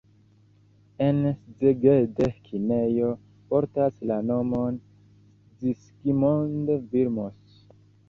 En Szeged kinejo portas la nomon Zsigmond Vilmos.